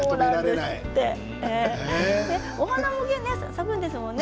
お花も咲くんですもんね